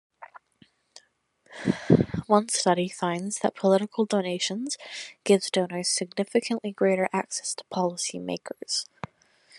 One study finds that political donations gives donors significantly greater access to policy makers.